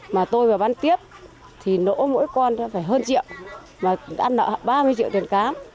mà tôi mà bán tiếp thì nỗ mỗi con phải hơn triệu mà ăn nợ ba mươi triệu tiền cám